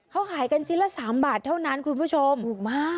เขาขายกันชิ้นละ๓บาทเท่านั้นคุณผู้ชมถูกมาก